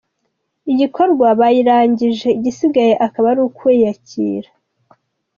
igikorwa bayirangije igisigaye akaba ari ukwakira.